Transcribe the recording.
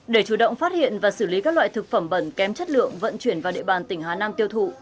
để chủ động phát hiện và xử lý các loại thực phẩm bẩn kém chất lượng vận chuyển vào địa bàn tỉnh hà nam tiêu thụ